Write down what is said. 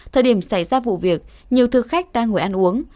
thời điểm xảy ra vụ việc nhiều thực khách đang ngồi ăn uống